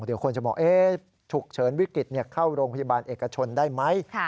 เดี๋ยวคนจะบอกฉุกเฉินวิกฤตเข้าโรงพยาบาลเอกชนได้ไหม